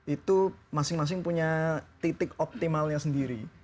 itu masing masing punya titik optimalnya sendiri